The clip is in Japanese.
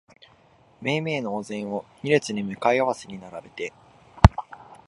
めいめいのお膳を二列に向かい合わせに並べて、